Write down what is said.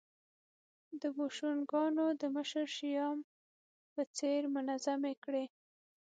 د بوشونګانو د مشر شیام په څېر منظمې کړې